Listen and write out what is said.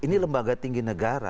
ini lembaga tinggi negara